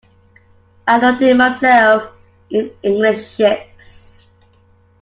I learned it myself in English ships.